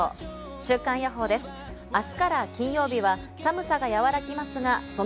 週間予報です。